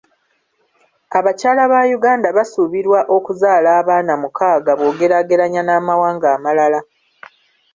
Abakyala ba Uganda basuubirwa okuzaala abaana mukaaga bw'ogeraageranya n'amawanga amalala.